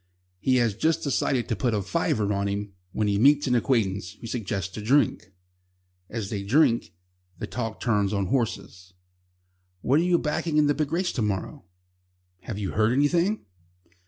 He has just decided to put "a fiver" on him when he meets an acquaintance, who suggests a drink. As they drink, the talk turns on horses. "What are you backing in the big race to morrow?" "Have you heard anything?"